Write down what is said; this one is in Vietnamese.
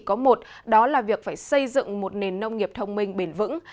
và nó chỉ có một đó là việc phải xây dựng một nền nông nghiệp thông minh bền vững